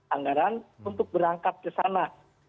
anggaran untuk berangkat ke sana